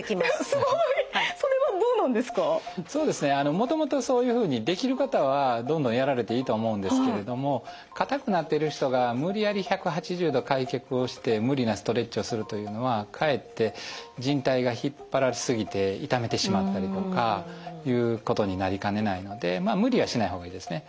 もともとそういうふうにできる方はどんどんやられていいと思うんですけれども硬くなってる人が無理やり１８０度開脚をして無理なストレッチをするというのはかえってじん帯が引っ張られ過ぎて傷めてしまったりとかいうことになりかねないので無理はしない方がいいですね。